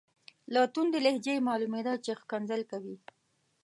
له توندې لهجې یې معلومیده چې ښکنځلې کوي.